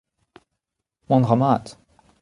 Mont a ra mat ?